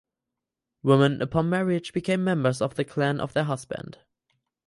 Women upon marriage became members of the clan of their husband.